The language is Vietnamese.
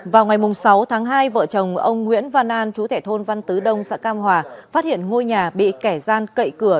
vào ngày sáu tháng hai vợ chồng ông nguyễn văn an chú thẻ thôn văn tứ đông xã cam hòa phát hiện ngôi nhà bị kẻ gian cậy cửa